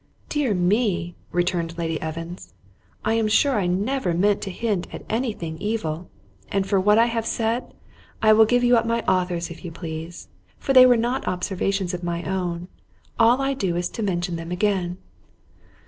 "Dear me," returned Lady Evans, "I am sure I never meant to hint at any thing evil—and for what I have said, I will give you up my authors if you please; for they were not observations of my own; all I do is to mention them again."